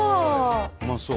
うまそう。